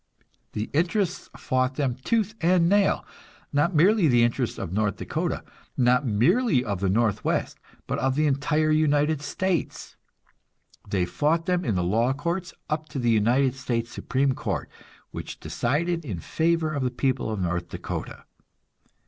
The interests fought them tooth and nail; not merely the interests of North Dakota, not merely of the Northwest, but of the entire United States. They fought them in the law courts, up to the United States Supreme Court, which decided in favor of the people of North Dakota.